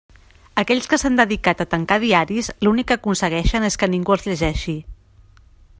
Aquells que s'han dedicat a tancar diaris l'únic que aconsegueixen és que ningú els llegeixi.